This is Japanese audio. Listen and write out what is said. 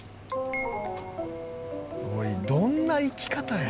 「おいどんないき方や」